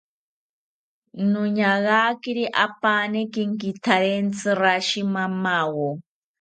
Noñagakiri apaani kenkitharentzi rashi mamawo